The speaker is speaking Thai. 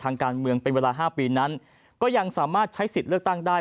ทางการเมืองเป็นเวลา๕ปีนั้นก็ยังสามารถใช้สิทธิ์เลือกตั้งได้